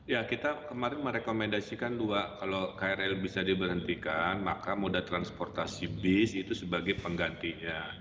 ya kita kemarin merekomendasikan dua kalau krl bisa diberhentikan maka moda transportasi bis itu sebagai penggantinya